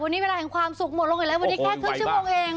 วันนี้เวลาแห่งความสุขหมดลงอีกแล้ววันนี้แค่ครึ่งชั่วโมงเอง